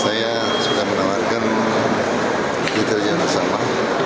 saya sudah menawarkan intelijen bersama